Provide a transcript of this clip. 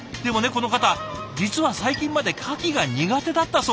この方実は最近までカキが苦手だったそう。